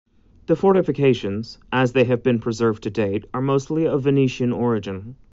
The fortifications, as they have been preserved to date, are mostly of Venetian origin.